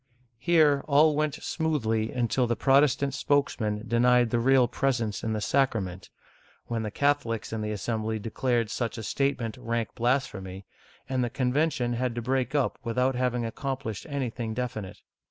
Here, all went smoothly until the Protestant spokesman denied the real presence in the sacrament, when the Catholics in the assembly declared such a statement rank blasphemy, and uigiTizea Dy vjiOOQlC CHARLES IX. (1560 1574) 255 the convention had to break up without having accom plished anything definite.